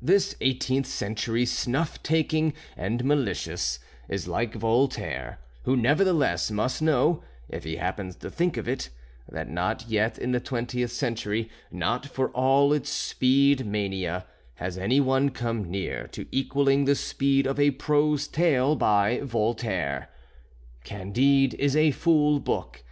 This Eighteenth Century snuff taking and malicious, is like Voltaire, who nevertheless must know, if he happens to think of it, that not yet in the Twentieth Century, not for all its speed mania, has any one come near to equalling the speed of a prose tale by Voltaire. "Candide" is a full book.